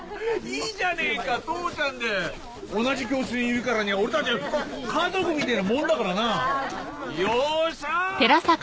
いいじゃねえか父ちゃんで同じ教室にいるからには俺たちは家族みてえなもんだからなヨッシャー！